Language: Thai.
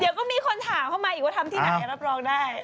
เดี๋ยวก็มีคนถามเข้ามาอีกว่าทำที่ไหนรับรองได้